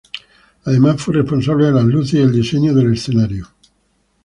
Además fue responsable de las luces y el diseño del escenario.